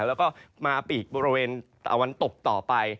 แล้วก็มาปีกบริเวณตะวันตกต่อไป